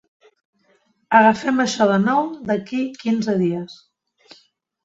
Agafem això de nou d'aquí quinze dies.